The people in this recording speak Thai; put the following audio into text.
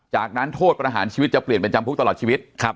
จากนั้นโทษประหารชีวิตจะเปลี่ยนเป็นจำคุกตลอดชีวิต